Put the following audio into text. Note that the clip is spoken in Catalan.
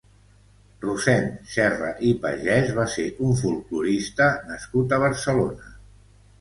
Rossend Serra i Pagès va ser un folklorista nascut a Barcelona.